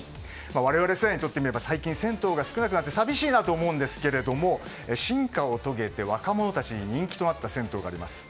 我々世代にとってみれば最近銭湯が少なくなって寂しいなと思うんですが進化を遂げて若者たちに人気となった銭湯があります。